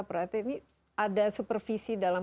berarti ini ada supervisi dalam